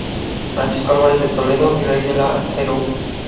Francisco Álvarez de Toledo, virrey del Perú.